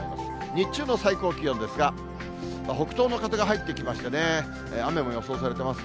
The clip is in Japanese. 日中の最高気温ですが、北東の風が入ってきましてね、雨も予想されてます。